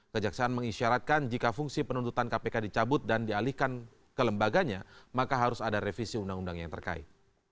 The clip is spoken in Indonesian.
kejaksaan mengisyaratkan jika fungsi penuntutan kpk dicabut dan dialihkan ke lembaganya maka harus ada revisi undang undang yang terkait